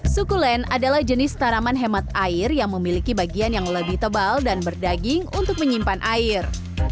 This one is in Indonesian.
suku len adalah jenis tanaman hemat air yang memiliki bagian yang lebih tebal dan berdaging untuk menyimpan air